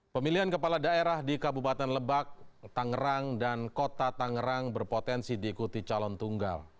pemilihan kepala daerah di kabupaten lebak tangerang dan kota tangerang berpotensi diikuti calon tunggal